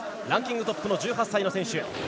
ランキングトップの１８歳の選手。